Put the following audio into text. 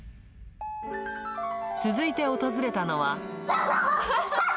続いて訪れたのは。